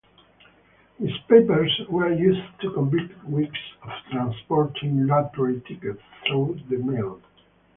His papers were used to convict Weeks of transporting lottery tickets through the mail.